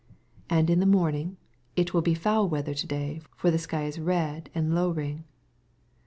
8 And in the morning, It wiU bi foul weather to day : for the skj ia red and lowring.